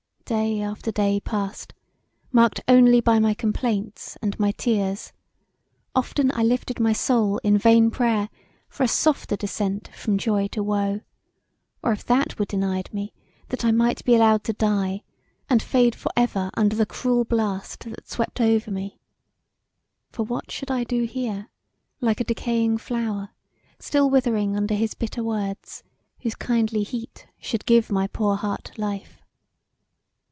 Day after day passed marked only by my complaints and my tears; often I lifted my soul in vain prayer for a softer descent from joy to woe, or if that were denied me that I might be allowed to die, and fade for ever under the cruel blast that swept over me, for what should I do here, Like a decaying flower, still withering Under his bitter words, whose kindly heat Should give my poor heart life?